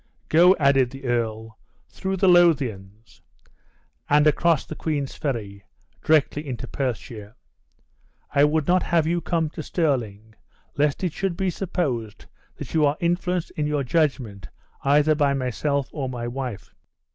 "Go," added the earl, "through the Lothians, and across the Queens ferry, directly into Perthshire. I would not have you come to Stirling, lest it should be supposed that you are influenced in your judgment either my myself or my wife.